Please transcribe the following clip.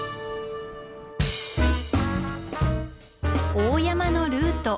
大山のルート。